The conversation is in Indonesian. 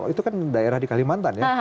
itu kan daerah di kalimantan ya